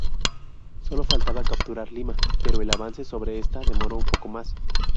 Solo faltaba capturar Lima, pero el avance sobre esta demoró un poco más.